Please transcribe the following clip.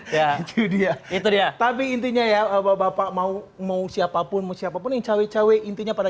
itu dia itu dia tapi intinya ya bapak mau mau siapapun siapapun yang cewek cewek intinya pada